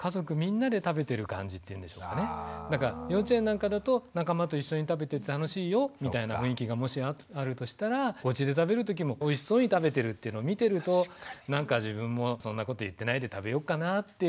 そこをちょっとこう幼稚園なんかだと仲間と一緒に食べて楽しいよみたいな雰囲気がもしあるとしたらおうちで食べる時もおいしそうに食べてるっていうのを見てるとなんか自分もそんなこと言ってないで食べようかなって。